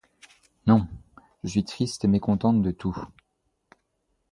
Non, je suis triste et mécontente de tout.